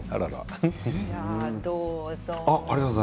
どうぞ。